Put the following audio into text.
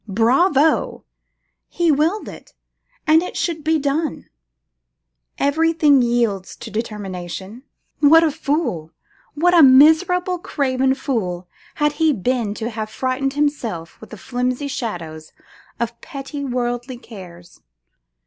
Bravo! he willed it, and it should be done. Everything yields to determination. What a fool! what a miserable craven fool had he been to have frightened himself with the flimsy shadows of petty worldly cares!